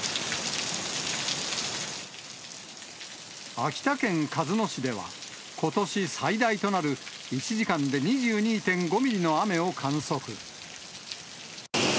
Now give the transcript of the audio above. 秋田県鹿角市では、ことし最大となる１時間で２２．５ミリの雨を観測。